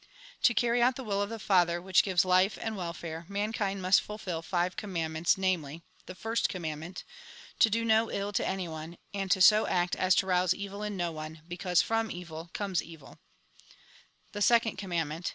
" To carry out the will of the Father, which gives life and welfare, mankind must fulfil five commandments, namely : The First Covimanclment. To do no ill to anyone, and to so act as to rouse evil in no one ; because from evil comes evil. 176 A RECAPITULATION 177 The Second Commandment.